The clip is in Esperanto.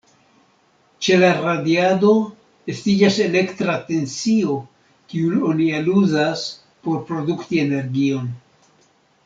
Ĉe la radiado, estiĝas elektra tensio, kiun oni eluzas por produkti energion.